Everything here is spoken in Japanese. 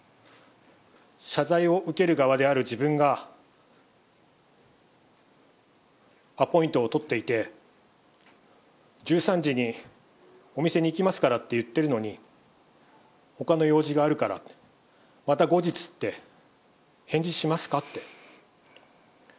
謝罪を受ける側である自分が、アポイントを取っていて、１３時にお店に行きますからって言ってるのに、ほかの用事があるからって、また後日って返事しますかって。